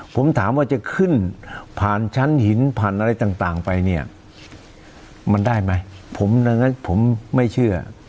ผมถามว่าจะขึ้นผ่านชั้นหินผ่านอะไรต่างไปเนี่ยมันได้ไหมผมดังนั้นผมไม่เชื่อ